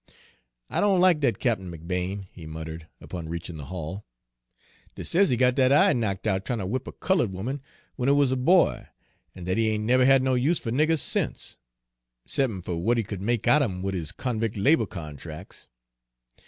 "I don' like dat Cap'n McBane," he muttered, upon reaching the hall. "Dey says he got dat eye knock' out tryin' ter whip a cullud 'oman, when he wuz a boy, an' dat he ain' never had no use fer niggers sence, 'cep'n' fer what he could make outen 'em wid his convic' labor contrac's.